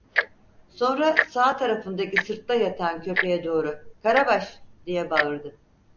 Sonra sağ tarafındaki sırtta yatan köpeğe doğru: "Karabaş!" diye bağırdı.